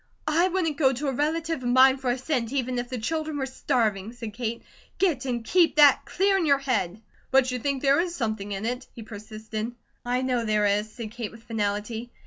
"I wouldn't go to a relative of mine for a cent, even if the children were starving," said Kate. "Get, and keep, THAT clear in your head." "But you think there is something in it?" he persisted. "I know there is," said Kate with finality.